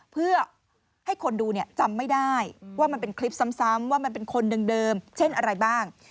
เพื่อให้คนดูจำไม่ได้ว่ามันเป็นคลิปซ้ำว่ามันเป็นคนเดิมเช่นอะไรบ้าง